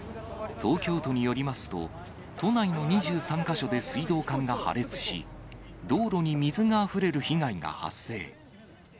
東京都によりますと、都内の２３か所で水道管が破裂し、道路に水があふれる被害が発生。